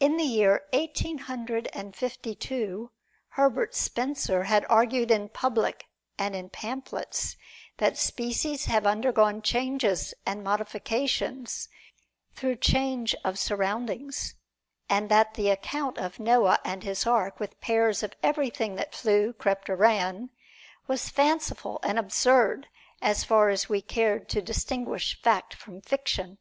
In the year Eighteen Hundred Fifty two, Herbert Spencer had argued in public and in pamphlets that species have undergone changes and modifications through change of surroundings, and that the account of Noah and his ark, with pairs of everything that flew, crept or ran, was fanciful and absurd, so far as we cared to distinguish fact from fiction.